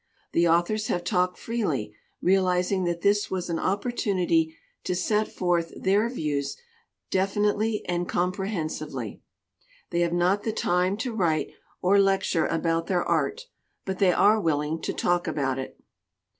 The authors have talked freely, realizing that this was an opportunity to set forth their views definitely and comprehen sively. They have not the time to write or lec ture about their art, but they are willing to talk about it.